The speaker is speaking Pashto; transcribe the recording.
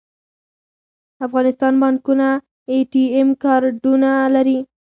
د افغانستان بانکونه اې ټي ایم کارډونه لري